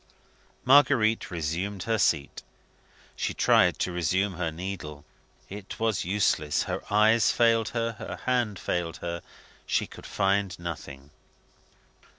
Marguerite resumed her seat. She tried to resume her needle. It was useless; her eyes failed her; her hand failed her; she could find nothing.